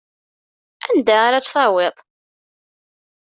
Anda ara tt-tawiḍ?